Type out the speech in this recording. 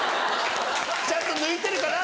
ちゃんと抜いてるかな？